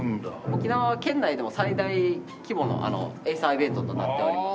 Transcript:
沖縄県内でも最大規模のエイサーイベントとなっております。